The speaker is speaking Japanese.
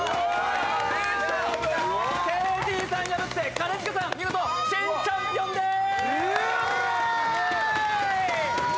ＫＺさん破って、兼近さん、見事、新チャンピオンです。